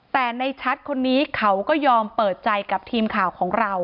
แต่ในชัดคนนี้เขาก็ยอมเปิดใจกับทีมข่าวของเรา